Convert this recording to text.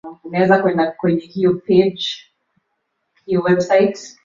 tulikuwa tumeutegemea ila baadaye wakasema kwamba wameahirisha